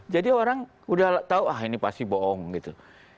jadi orang udah tahu ah ini pasti bohong gitu